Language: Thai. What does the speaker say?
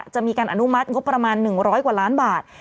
จะมีการอนุมัติงบประมาณ๑๐๐กว่าล้านบาท